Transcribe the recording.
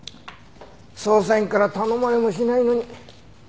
捜査員から頼まれもしないのに。